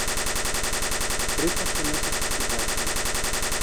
Και τρύπωσα μέσα στο σπιτάκι μου